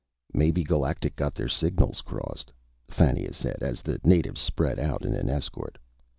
"Maybe Galactic got their signals crossed," Fannia said, as the natives spread out in an escort.